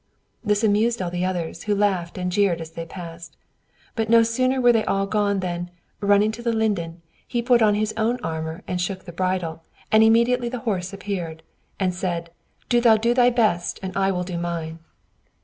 This amused all the others, who laughed and jeered as they passed. But no sooner were they all gone than, running to the linden, he put on his own armor and shook the bridle, and immediately the horse appeared, and said, "Do thou do thy best and I will do mine."